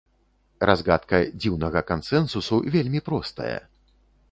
Разгадка дзіўнага кансэнсусу вельмі простая.